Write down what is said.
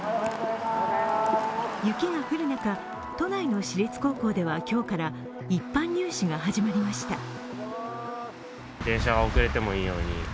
雪が降る中、都内の私立高校では今日から一般入試が始まりました。